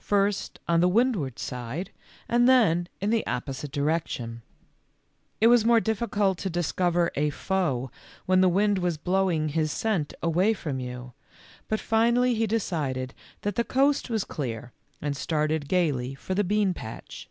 First on the windward side and then in the opposite direction. It was more difficult to discover a foe w T hen the wind was blowing his scent away from you, but finally he decided that the coast was clear and started gayly for the bean patch.